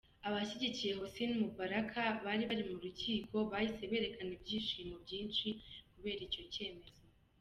Abashyigikiye Hosni Mubarak bari mu rukiko bahise berekana ibyishimo byinshi kubera icyo cyemezo.